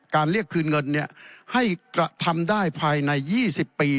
เรียกคืนเงินให้กระทำได้ภายใน๒๐ปี